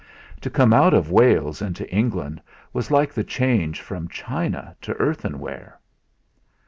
To come out of Wales into England was like the change from china to earthenware!